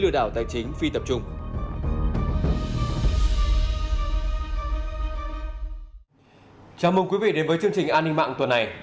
quý vị đến với chương trình an ninh mạng tuần này